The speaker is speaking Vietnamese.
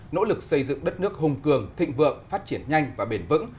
nỗ lực xây dựng đất nước hùng cường thịnh vượng phát triển nhanh và bền vững